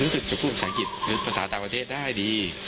รู้สึกจะพูดภาษาอังกฤษหรือภาษาต่างประเทศได้ดี